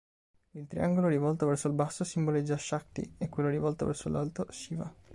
Il triangolo rivolto verso il basso simboleggia Shakti e quello rivolto verso l'alto Siva.